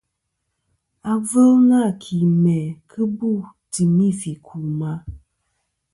Agvɨl nâ ki mæ kɨ bu timi fɨ̀ ku ma.